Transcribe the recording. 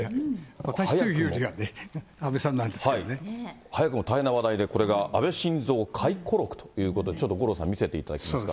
私というよりは、安倍さんなんですけどね。早くも大変な話題で、これが安倍晋三回顧録ということで、ちょっと五郎さん、見せていただけますか。